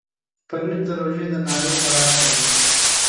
پنېر د روژې د ناري خوراک دی.